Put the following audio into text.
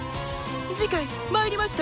次回「魔入りました！